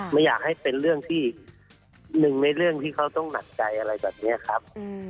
ไม่อยากให้เป็นเรื่องที่หนึ่งในเรื่องที่เขาต้องหนักใจอะไรแบบนี้ครับ